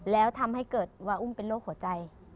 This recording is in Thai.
แล้วทำให้เกิดว่าอุ้มเป็นโรคหัวใจ